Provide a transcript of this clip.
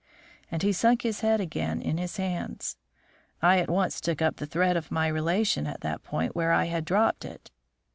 And he sunk his head again in his hands. I at once took up the thread of my relation at the point where I had dropped it.